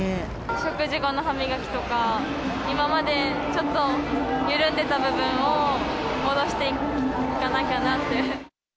食事後の歯磨きとか、今までちょっと緩んでた部分を、戻していかなきゃなって。